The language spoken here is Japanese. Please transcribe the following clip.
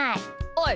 おい！